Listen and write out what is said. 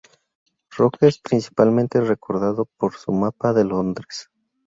Rocque es principalmente recordado por su mapa de Londres.